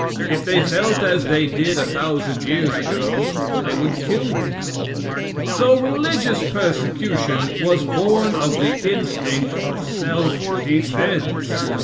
If they felt as they did a thousand years ago they would kill me. So religious persecution was born of the instinct of self defense.